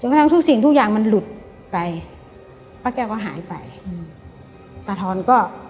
กระทั่งทุกสิ่งทุกอย่างมันหลุดไปป้าแก้วก็หายไปอืมตาทอนก็